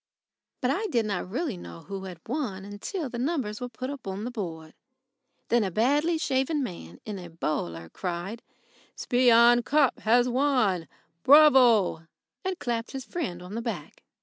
But I did not really know who had won till the numbers were put up on the board. Then a badly shaven man in a bowler cried: "Spion Kop has won! Bravo!" and clapped his friend on the back.